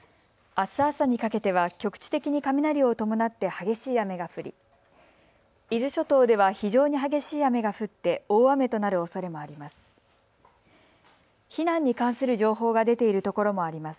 あす朝にかけては局地的に雷を伴って激しい雨が降り伊豆諸島では非常に激しい雨が降って大雨となるおそれもあります。